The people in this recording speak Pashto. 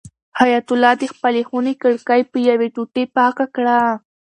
حیات الله د خپلې خونې کړکۍ په یوې ټوټې پاکه کړه.